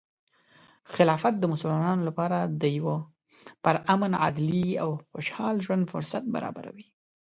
خلافت د مسلمانانو لپاره د یو پرامن، عدلي، او خوشحال ژوند فرصت برابروي.